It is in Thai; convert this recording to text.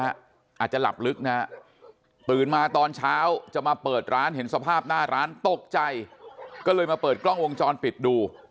อาจจะหลับลึกนะฮะตื่นมาตอนเช้าจะมาเปิดร้านเห็นสภาพหน้าร้านตกใจก็เลยมาเปิดกล้องวงจรปิดดู